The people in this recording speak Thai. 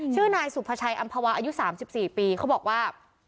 ชื่อนายสุภาชัยอำภาวาอายุ๓๔ปีเขาบอกว่า